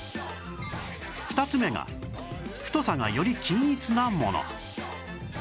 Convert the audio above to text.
２つ目が太さがより均一なもの